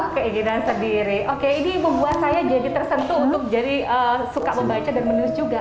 keinginan sendiri oke ini membuat saya jadi tersentuh untuk jadi suka membaca dan menulis juga